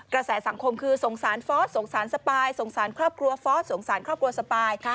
แสสังคมคือสงสารฟอสสงสารสปายสงสารครอบครัวฟอสสงสารครอบครัวสปาย